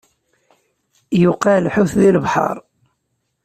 Yuqa lḥut di lebḥeṛ.